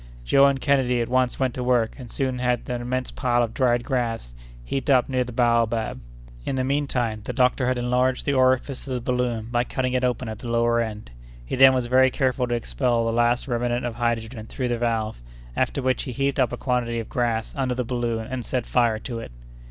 Joe and Kennedy at once went to work, and soon had an immense pile of dried grass heaped up near the baobab. In the mean time, the doctor had enlarged the orifice of the balloon by cutting it open at the lower end. He then was very careful to expel the last remnant of hydrogen through the valve, after which he heaped up a quantity of grass under the balloon, and set fire to it.